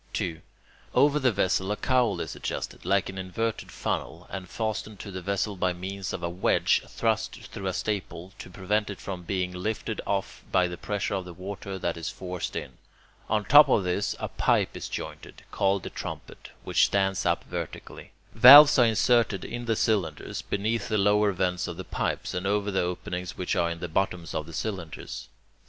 2. Over the vessel a cowl is adjusted, like an inverted funnel, and fastened to the vessel by means of a wedge thrust through a staple, to prevent it from being lifted off by the pressure of the water that is forced in. On top of this a pipe is jointed, called the trumpet, which stands up vertically. Valves are inserted in the cylinders, beneath the lower vents of the pipes, and over the openings which are in the bottoms of the cylinders.